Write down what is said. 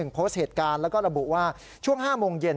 โพสต์เหตุการณ์แล้วก็ระบุว่าช่วง๕โมงเย็น